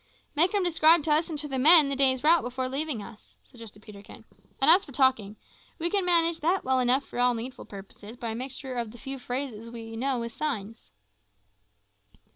"Make him describe to us and to the men the day's route before leaving us," suggested Peterkin; "and as for the talking, we can manage that well enough for all needful purposes by a mixture of the few phrases we know with signs."